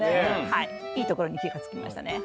はいいいところに気がつきましたね。